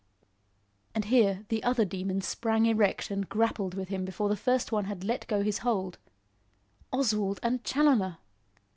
And here, the other Demon sprang erect and grappled with him before the first one had let go his hold. Oswald and Challoner!